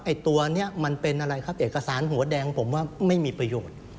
ตัวนี้มันเป็นอะไรครับเอกสารหัวแดงผมว่าไม่มีประโยชน์